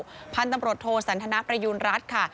ปล่อยตัวชั่วคราวพันธ์ตำรวจโทรสันทนาประยุณรัฐค่ะ